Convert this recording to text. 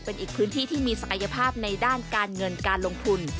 เป็นอีกพื้นที่ที่มีศักยภาพในด้านการเงินการลงทุน